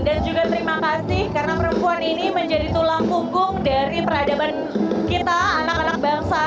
dan juga terima kasih karena perempuan ini menjadi tulang punggung dari peradaban kita anak anak bangsa